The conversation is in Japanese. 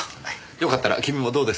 よかったら君もどうですか？